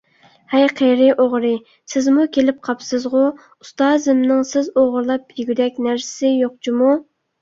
ھەي قېرى ئوغرى، سىزمۇ كېلىپ قاپسىزغۇ؟ ئۇستازىمنىڭ سىز ئوغرىلاپ يېگۈدەك نەرسىسى يوق جۇمۇ!